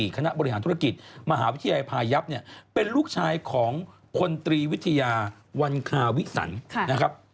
คณะบริหารธุรกิจมหาวิทยาลัยพายับเนี่ยเป็นลูกชายของพลตรีวิทยาวันคาวิสันนะครับ